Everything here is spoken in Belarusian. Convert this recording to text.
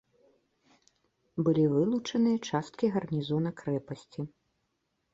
Былі вылучаныя часткі гарнізона крэпасці.